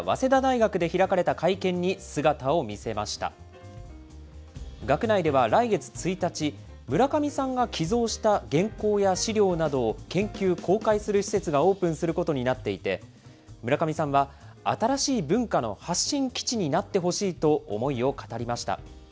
学内では来月１日、村上さんが寄贈した原稿や資料などを研究・公開する施設がオープンすることになっていて、村上さんは、新しい文化の発信基地になってほしいと、思いを語りました。